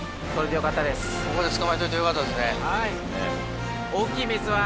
ここで捕まえといてよかったですね。